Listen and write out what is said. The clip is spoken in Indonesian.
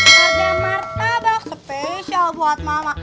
harga martabak spesial buat mama